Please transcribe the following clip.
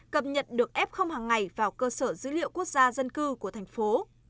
cập nhật được f hàng ngày vào cơ sở dữ liệu quốc gia dân cư của thành phố